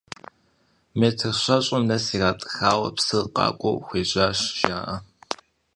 Метр щэщӏым нэс иратӏыхауэ псыр къакӏуэу хуежьащ жаӏэ.